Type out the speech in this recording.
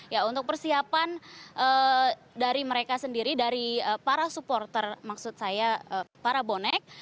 ya untuk persiapan dari mereka sendiri dari para supporter maksud saya para bonek